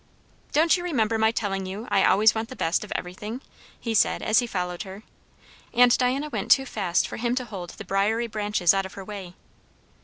"Don't you remember my telling you I always want the best of everything?" he said as he followed her; and Diana went too fast for him to hold the briary branches out of her way.